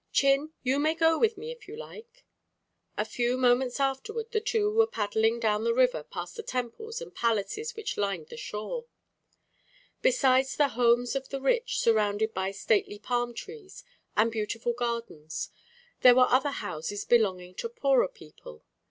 "Chin, you may go with me, if you like." A few moments afterward the two were paddling down the river past the temples and palaces which lined the shore. Besides the homes of the rich, surrounded by stately palm trees and beautiful gardens, there were other houses belonging to poorer people.